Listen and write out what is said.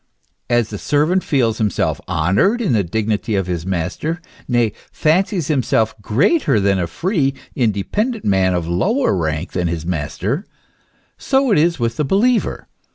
* As the servant feels himself honoured in the dignity of his master, nay, fancies himself greater than a free, independent man of lower rank than his master, so it is with the believer.